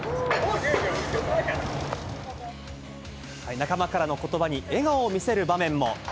仲間からのことばに、笑顔を見せる場面も。